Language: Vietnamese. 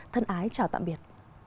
thân ái chào tạm biệt